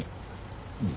うん。